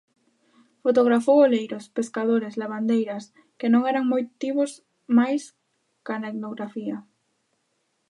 Fotografou oleiros, pescadores, lavandeiras, que non eran motivos máis ca na etnografía.